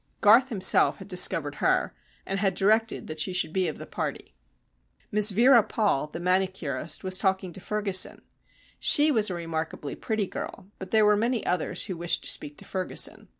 Garth himself had discovered her, and had directed that she should be of the party. Miss Vera Paul, the manicurist, was talking to Ferguson. She was a remarkably pretty girl, but there were many others who wished to speak to Ferguson.